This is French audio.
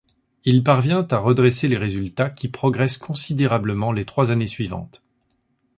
Il parvient à redresser les résultats qui progressent considérablement les trois années suivantes.